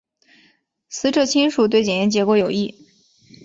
死者亲属对检验结果有异。